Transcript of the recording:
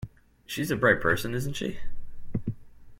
She's a bright person, isn't she?